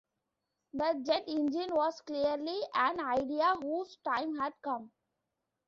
The jet engine was clearly an idea whose time had come.